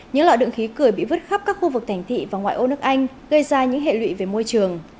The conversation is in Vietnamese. những lọ đựng khí cười bị vứt khắp các khu vực thành thị và ngoại ô nước anh gây ra những hệ lụy về môi trường